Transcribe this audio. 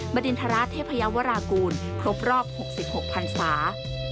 บดินทราชเทพยาวรากูลครบรอบ๖๖พันศา